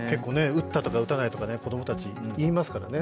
打ったとか、打たないとか、子供たち、言いますからね。